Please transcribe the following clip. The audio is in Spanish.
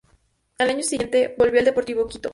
Al año siguiente, volvió al Deportivo Quito.